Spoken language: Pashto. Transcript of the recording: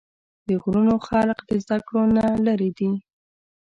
د غرونو خلق د زدکړو نه لرې دي